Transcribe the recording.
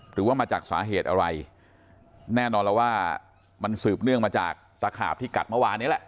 หรือว่ามาจากสาเหตุอะไรแน่นอนแล้วว่ามันสืบเนื่องมาจากตะขาบที่กัดเมื่อวานนี้แหละ